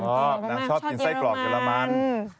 นักชอบกินไส้กรอบเยอรมัน